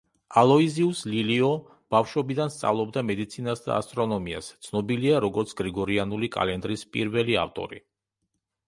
ალოიზიუს ლილიო ბავშობიდან სწავლობდა მედიცინას და ასტრონომიას, ცნობილია როგორც გრიგორიანული კალენდრის პირველი ავტორი.